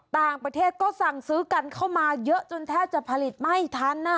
ต่างประเทศก็สั่งซื้อกันเข้ามาเยอะจนแทบจะผลิตไม่ทัน